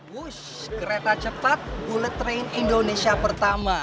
wushh kereta cepat bullet train indonesia pertama